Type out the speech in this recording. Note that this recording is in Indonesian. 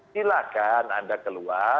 silakan anda keluar